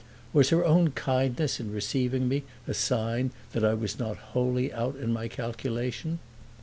Was her own kindness in receiving me a sign that I was not wholly out in my calculation?